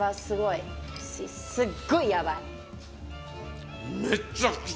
すっごいヤバい。